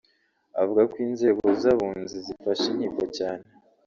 avuga ko inzego z’abunzi zifasha inkiko cyane